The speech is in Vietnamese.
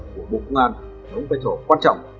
của bộ công an đúng với chỗ quan trọng